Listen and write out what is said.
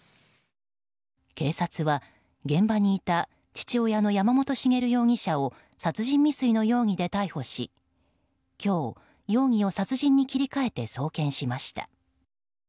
警察は現場にいた父親の山本茂容疑者を殺人未遂の容疑で逮捕し今日、容疑を殺人に切り替えて送検しました。